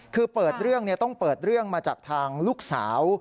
คือต้องเปิดเรื่องมาจากทางลูกสาว